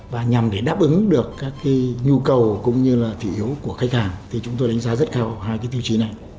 và nhằm để đáp ứng được các nhu cầu cũng như là thị yếu của khách hàng thì chúng tôi đánh giá rất cao hai cái tiêu chí này